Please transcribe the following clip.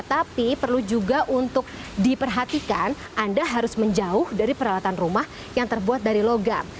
tapi perlu juga untuk diperhatikan anda harus menjauh dari peralatan rumah yang terbuat dari logam